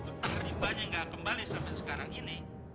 ntar ribanya gak kembali sampai sekarang ini